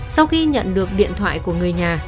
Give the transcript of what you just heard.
sau khi nhận được điện thoại của người nhà